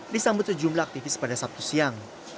disambut sejumlah aktivis pada sabtu siang